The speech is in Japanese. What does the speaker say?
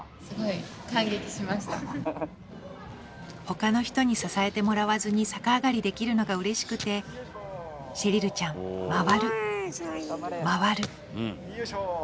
他の人に支えてもらわずに逆上がりできるのがうれしくてシェリルちゃん回る回る回る